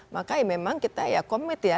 maka memang kita ya komit ya